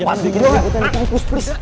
wajib bikin jabatan di kampus chris